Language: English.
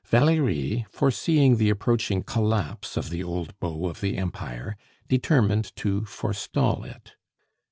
Valerie, foreseeing the approaching collapse of the old beau of the Empire, determined to forestall it.